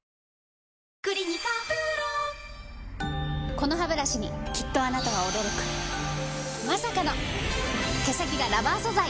このハブラシにきっとあなたは驚くまさかの毛先がラバー素材！